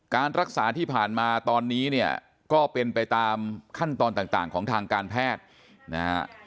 การรักษาที่ผ่านมาตอนนี้เนี่ยก็เป็นไปตามขั้นตอนต่างของทางการแพทย์นะฮะ